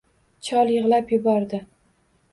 Chol yig‘lab yubordi